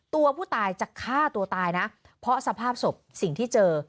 ตัวผู้ตายจะฆ่าตัวตายนะเพราะสภาพศพสิ่งที่เจอ